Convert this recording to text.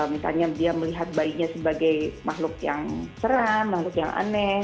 misalnya dia melihat bayinya sebagai makhluk yang seran makhluk yang aneh